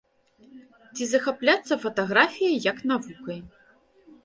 Ці захапляцца фатаграфіяй як навукай.